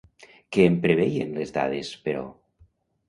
Què en preveien les dades, però?